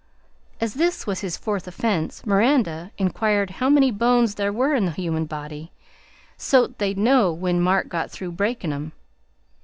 As this was his fourth offense, Miranda inquired how many bones there were in the human body, "so 't they'd know when Mark got through breakin' 'em."